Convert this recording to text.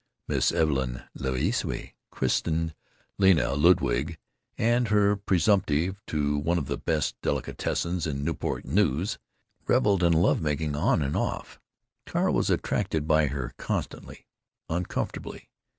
Miss Evelyn L'Ewysse (christened Lena Ludwig, and heir presumptive to one of the best delicatessens in Newport News) reveled in love making on and off. Carl was attracted by her constantly, uncomfortably.